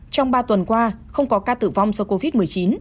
trong ba tuần qua không có ca tử vong do covid một mươi chín